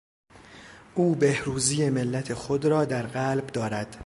او بهروزی ملت خود را در قلب دارد.